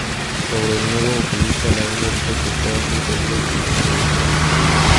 Sobre el nuevo vocalista, la banda dijo que estaban "muy seguros en su decisión".